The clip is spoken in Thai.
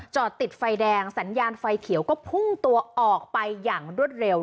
จอดติดไฟแดงสัญญาณไฟเขียวก็พุ่งตัวออกไปอย่างรวดเร็ว